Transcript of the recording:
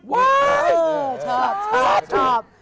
ว้าวชอบชอบชอบ